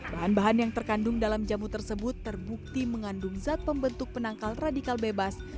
bahan bahan yang terkandung dalam jamu tersebut terbukti mengandung zat pembentuk penangkal radikal bebas